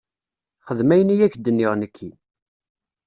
Xdem ayen i ak-d-nniɣ nekki.